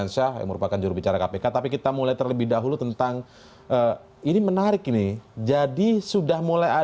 selamat malam dra